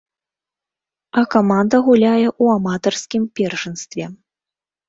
А каманда гуляе ў аматарскім першынстве.